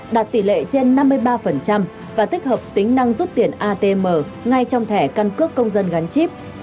đạt tỷ lệ trên năm mươi ba và tích hợp tính năng rút tiền atm ngay trong thẻ căn cước công dân gắn chip